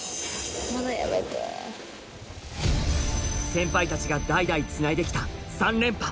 先輩たちが代々つないできた